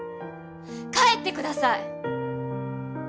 帰ってください